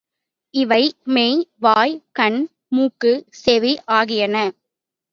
இவை மெய், வாய், கண், மூக்கு, செவி ஆகியன.